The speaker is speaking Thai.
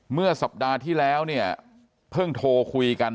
เมื่อสัปดาห์ที่แล้วเนี่ยเพิ่งโทรคุยกัน